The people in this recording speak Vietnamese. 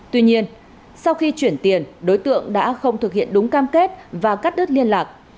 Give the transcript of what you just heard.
tuy nhiên sau khi chuyển tiền đối tượng đã không thực hiện đúng cam kết và cắt đứt liên lạc